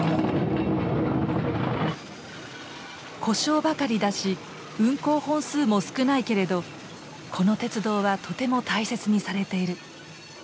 故障ばかりだし運行本数も少ないけれどこの鉄道はとても大切にされている。